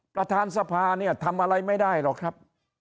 ประธานสภาเนี่ยทำอะไรไม่ได้หรอกครับ